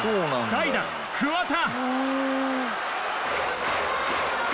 代打桑田！